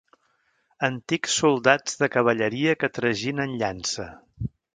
Antics soldats de cavalleria que traginen llança.